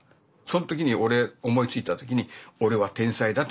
その時に俺思いついた時に「俺は天才だ」と思ったからね。